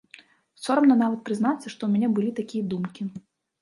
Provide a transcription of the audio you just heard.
Сорамна нават прызнацца, што ў мяне былі такія думкі.